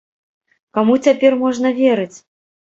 Каму цяпер можна верыць?